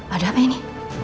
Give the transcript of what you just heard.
ada apa ini